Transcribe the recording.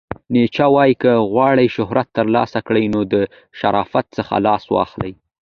نیچه وایې، که غواړئ شهرت ترلاسه کړئ نو د شرافت څخه لاس واخلئ!